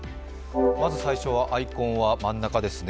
まず最初はアイコンは真ん中ですね。